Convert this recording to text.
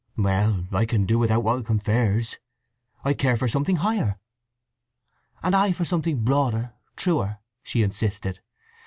"Well, I can do without what it confers. I care for something higher." "And I for something broader, truer," she insisted.